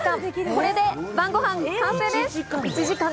これで晩ごはん完成です。